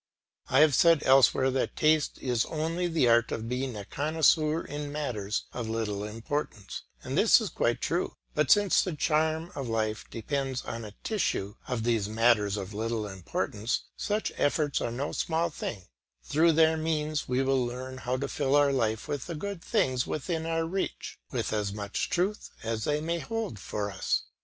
I have said elsewhere that taste is only the art of being a connoisseur in matters of little importance, and this is quite true; but since the charm of life depends on a tissue of these matters of little importance, such efforts are no small thing; through their means we learn how to fill our life with the good things within our reach, with as much truth as they may hold for us.